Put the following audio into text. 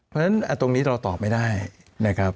เพราะฉะนั้นตรงนี้เราตอบไม่ได้นะครับ